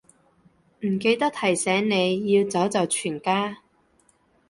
唔記得提醒你，要走就全家